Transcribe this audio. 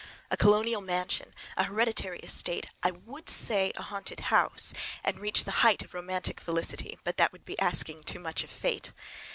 A colonial mansion, a hereditary estate, I would say a haunted house, and reach the height of romantic felicity—but that would be asking too much of fate!